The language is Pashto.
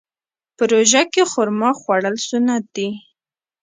په روژه کې خرما خوړل سنت دي.